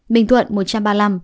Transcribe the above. bình thuận một trăm ba mươi năm